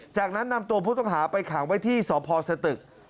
จากนั้นนำตัวผู้ต้องหาไปขังไว้ที่สพสตึก